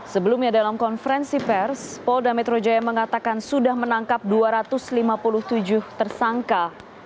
sebelumnya dalam konferensi pers polda metro jaya mengatakan sudah menangkap dua ratus lima puluh tujuh tersangka